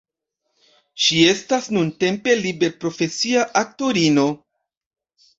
Ŝi estas nuntempe liberprofesia aktorino.